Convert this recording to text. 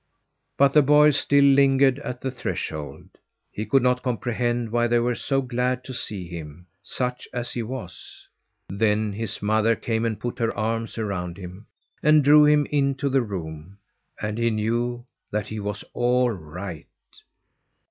But the boy still lingered at the threshold. He could not comprehend why they were so glad to see him such as he was. Then his mother came and put her arms around him and drew him into the room, and he knew that he was all right.